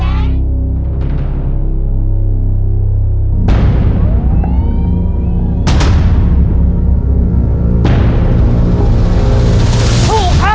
มีภูถือมีสีอะไร